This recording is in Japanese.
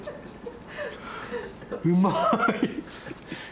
うまい！